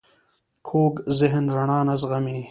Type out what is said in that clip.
کوږ ذهن رڼا نه زغمي